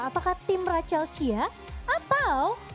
apakah tim rachel chia atau